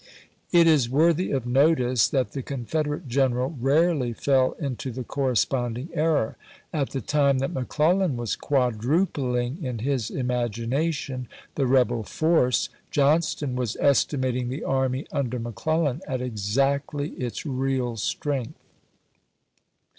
It is worthy of notice that the Confederate general 1861. rarely fell into the corresponding error. At the time that McClellan was quadrupling, in his imag johnfiton. inatiou, the rebel force, Johnston was estimating of Military the army under McClellan at exactly its real tiouH,"p.8i, strength.